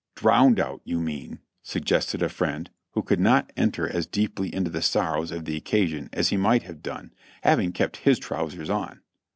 "Drowned out, you mean," suggested a friend, who could not enter as deeply into the sorrows of the occasion as he might have done, having kept his trousers on.